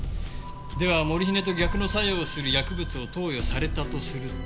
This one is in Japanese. ではモルヒネと逆の作用をする薬物を投与されたとすると。